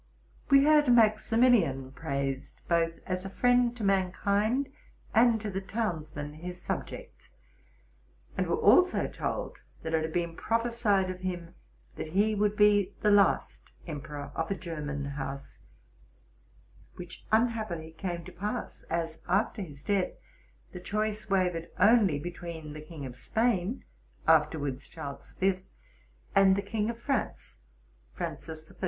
We heard Maximilian praised, both as a friend to mankind, and to the townsmen, his subjects, and were also told that it had been prophesied of him he would be the last emperor of a German house, which unhappily came to pass, as after his death the choice wavered only between the king of Spain (afterwards), Charles V., and the king of France, Francis I.